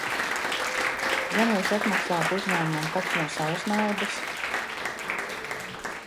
Ja nu es atmaksātu uzņēmumam pats no savas naudas?